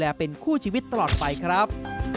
และเป็นคู่ชีวิตตลอดไปครับ